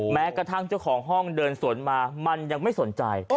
แม้กระทั่งเจ้าของห้องเดินสวนมามันยังไม่สนใจ